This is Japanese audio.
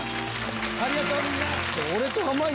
ありがとうみんな！